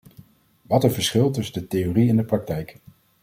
Wat een verschil tussen de theorie en de praktijk!